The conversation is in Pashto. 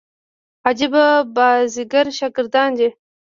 عجبه بازيګر شاګرد دئ.